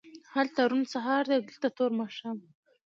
هلته روڼ سهار دی او دلته تور ماښام